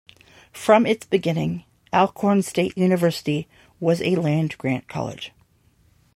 From its beginning, Alcorn State University was a land-grant college.